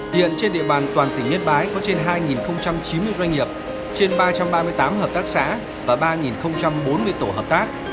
hiện trên địa bàn toàn tỉnh yên bái có trên hai chín mươi doanh nghiệp trên ba trăm ba mươi tám hợp tác xã và ba bốn mươi tổ hợp tác